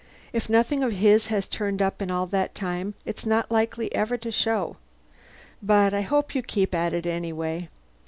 If nothing of his has turned up in all that time, it's not likely ever to show. But I hope you keep at it, anyway."